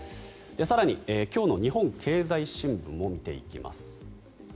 更に、今日の日本経済新聞も見ていきます。